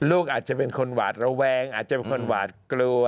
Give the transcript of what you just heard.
ลูกอาจจะเป็นคนหวาดระแวงอาจจะเป็นคนหวาดกลัว